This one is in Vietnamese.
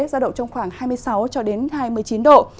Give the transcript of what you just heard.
giao động trong khoảng hai mươi sáu hai mươi chín độ